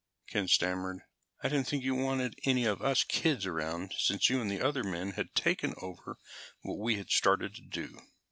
Ken stammered. "I didn't think you wanted any of us kids around since you and the other men had taken over what we had started to do."